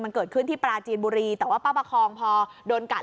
มันเกิดขึ้นที่ปราจีนบุรีแต่ว่าป้าประคองพอโดนกัด